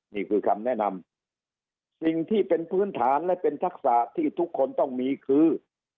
นี่คือคำแนะนำสิ่งที่เป็นพื้นฐานและเป็นทักษะที่ทุกคนต้องมีคือ